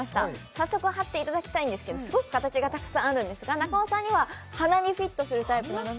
早速貼っていただきたいんですけどすごく形がたくさんあるんですが中尾さんには鼻にフィットするタイプなので鼻？